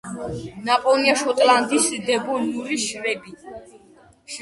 ნაპოვნია შოტლანდიის დევონურ შრეებში.